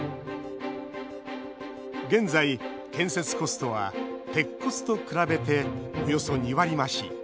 現在、建設コストは鉄骨と比べて、およそ２割増し。